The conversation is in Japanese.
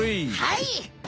はい！